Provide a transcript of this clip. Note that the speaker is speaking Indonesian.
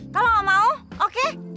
kalau gak mau oke